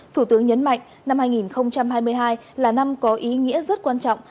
thủ tướng nhấn mạnh năm hai nghìn hai mươi hai là năm có ý nghĩa rất quan trọng